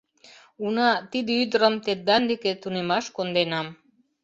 Уна тиде ӱдырым тендан деке тунемаш конденам.